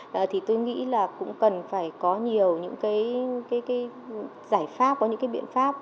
tôi nghĩ cũng cần phải có nhiều giải pháp có những biện pháp